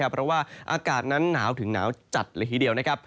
เพราะว่าอากาศนั้นหนาวถึงหนาวจัดเลยทีเดียวนะครับ